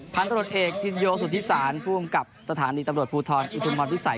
พันธุรกิจเอกพินโยสุธิศาลผู้อำกับสถานีตำรวจภูทรอิทธุมันวิสัย